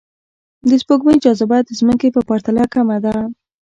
د سپوږمۍ جاذبه د ځمکې په پرتله کمه ده